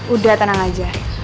udah tenang aja